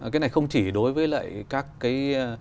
cái này không chỉ đối với lại các cái